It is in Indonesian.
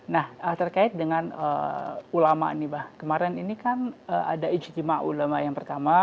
nah terkait dengan ulama nih mbak kemarin ini kan ada ijtima ulama yang pertama